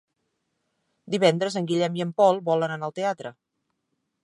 Divendres en Guillem i en Pol volen anar al teatre.